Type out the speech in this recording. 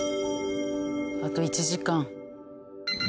あと１時間。